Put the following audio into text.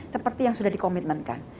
seperti yang sudah di commitment kan